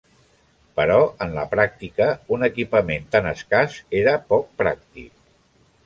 Però en la pràctica un equipament tan escàs era poc pràctic.